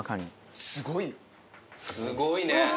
すごいね。